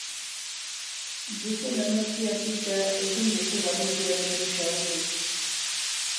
Duzun energia pitta ezin duzu Barrutiarekin xahutu.